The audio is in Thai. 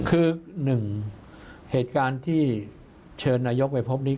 คือหนึ่งเหตุการณ์ที่เชิญนายกไปพบนี้